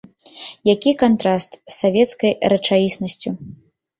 Які кантраст з савецкай рэчаіснасцю.